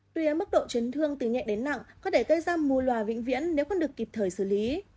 tuy ở mức độ chấn thương từ nhẹ đến nặng có thể gây ra mù loà vĩnh viễn nếu không được kịp thời xử lý